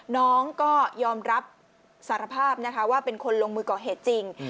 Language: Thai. น้องก็ยอมรับสารภาพนะคะว่าเป็นคนลงมือก่อเหตุจริง